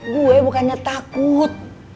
gue bukannya takut